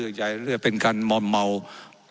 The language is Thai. ว่าการกระทรวงบาทไทยนะครับ